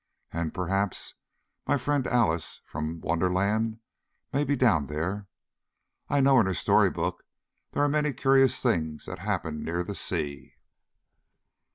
And, perhaps, my friend, Alice, from Wonderland, may be down there. I know in her story book there are many curious things that happen near the sea."